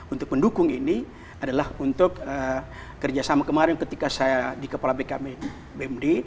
untuk pendukung ini adalah untuk kerjasama kemarin ketika saya di kepala bkm bmd